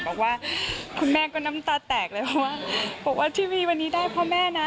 บอกว่าคุณแม่ก็น้ำตาแตกเลยเพราะว่าบอกว่าทีวีวันนี้ได้พ่อแม่นะ